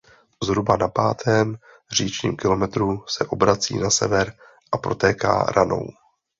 Zhruba na pátém říčním kilometru se obrací na sever a protéká Ranou.